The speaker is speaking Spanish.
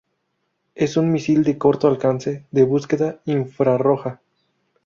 Es un misil de corto alcance de búsqueda infrarroja.